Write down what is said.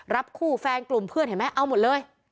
รับคู่แฟนกลุ่มเพื่อนเห็นไหมเอาหมดเลย